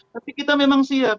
tapi kita memang siap